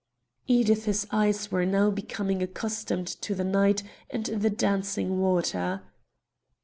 Edith's eyes were now becoming accustomed to the night and the dancing water.